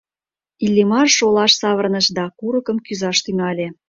Иллимар шолаш савырныш да курыкым кӱзаш тӱҥале.